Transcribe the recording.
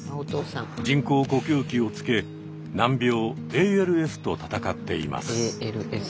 人工呼吸器をつけ難病ＡＬＳと闘っています。